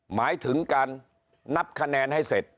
หมายถึงการนับคะแนนให้เสร็จ